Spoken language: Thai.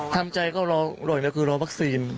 ทำใจก็รอรออีกหนึ่งก็คือรอวัคซีน